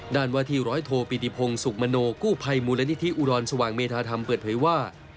ด้านวาที่๑๐๐โทรปิติพงศ์สุขมโนกู้ไพรมูลนิธิอุรณสว่างเมธาธรรมเปิดเวยว่า